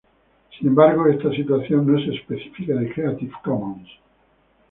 Sin embargo esta situación no es específica de Creative Commons.